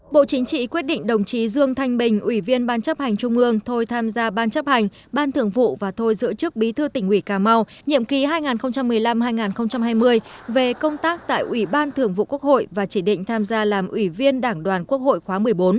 bộ chính trị quyết định đồng chí dương thanh bình ủy viên ban chấp hành trung ương thôi tham gia ban chấp hành ban thưởng vụ và thôi giữ chức bí thư tỉnh ủy cà mau nhiệm ký hai nghìn một mươi năm hai nghìn hai mươi về công tác tại ủy ban thường vụ quốc hội và chỉ định tham gia làm ủy viên đảng đoàn quốc hội khóa một mươi bốn